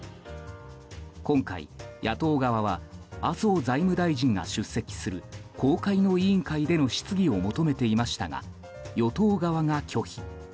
今回、野党側は麻生財務大臣が出席する公開の委員会での質疑を求めていましたが与党側が拒否。